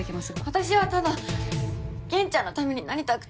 私はただゲンちゃんのためになりたくて